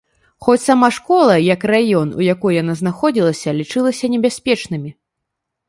Хоць сама школа, як і раён, у якой яна знаходзілася, лічыліся небяспечнымі.